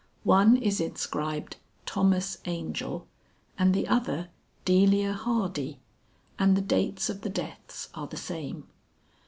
One is inscribed Thomas Angel and the other Delia Hardy, and the dates of the deaths are the same.